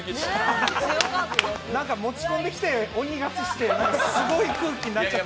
持ち込んできて鬼勝ちして、すごい空気になってきてる。